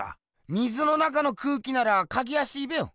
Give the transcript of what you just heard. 水の中の空気なら描きやしいべよ。